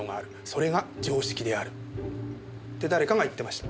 「それが常識である」って誰かが言ってました。